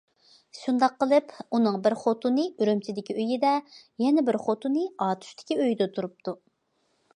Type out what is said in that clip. شۇنداق قىلىپ ئۇنىڭ بىر خوتۇنى ئۈرۈمچىدىكى ئۆيىدە، يەنە بىر خوتۇنى ئاتۇشتىكى ئۆيىدە تۇرۇپتۇ.